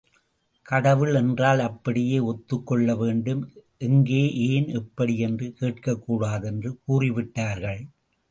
கடவுள் என்றால் அப்படியே ஒத்துக்கொள்ள வேண்டும் எங்கே ஏன் எப்படி என்று கேட்கக்கூடாது என்று கூறிவிட்டார்கள்.